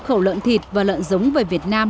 khẩu lợn thịt và lợn giống với việt nam